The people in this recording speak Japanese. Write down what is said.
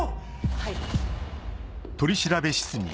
はい。